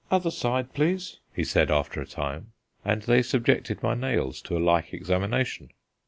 "Other side, please," he said after a time, and they subjected my nails to a like examination.